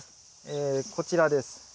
えこちらです。